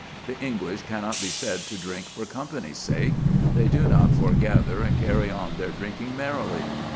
The English cannot be said to drink for company's sake. They do not foregather and carry on their drinking merrily.